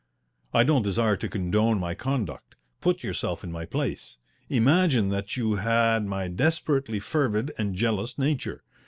I don't desire to condone my conduct. Put yourself in my place. Imagine that you had my desperately fervid and jealous nature.